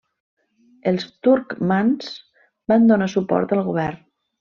Els turcmans van donar suport al govern.